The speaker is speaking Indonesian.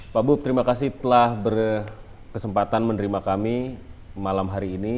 pak bob terima kasih telah berkesempatan menerima kami malam hari ini